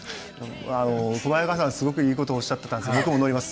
小早川さんがすごくいいことおっしゃってたので僕も乗ります